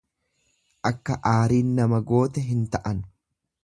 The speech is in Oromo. Akka aariin nama goote hin ta'an.